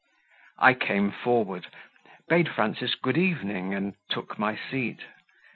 I came forward, bade Frances "good evening," and took my seat.